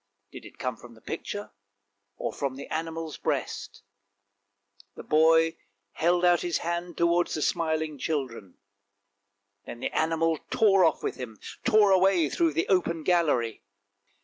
Did it come from the picture, or from the animal's breast ? The boy held out his hand towards the smiling children; then the animal tore off with him, tore away through the open gallery.